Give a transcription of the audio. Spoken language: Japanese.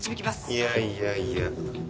いやいやいや。